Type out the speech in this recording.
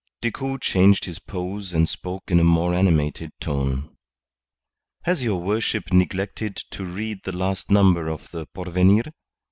Decoud changed his pose and spoke in a more animated tone. "Has your worship neglected to read the last number of the Porvenir?